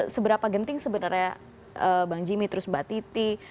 seberapa genting sebenarnya bang jimmy terus mbak titi